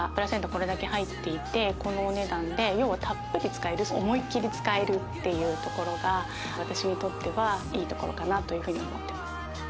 があるので友人とかからにもとは言われましたたっぷり使える思いっきり使えるっていうところが私にとってはいいところかなというふうに思ってます